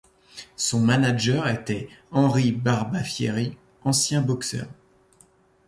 Son manager était Henri Barbafieri, ancien boxeur.